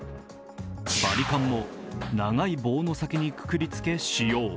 バリカンも長い棒の先にくくりつけ使用。